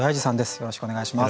よろしくお願いします。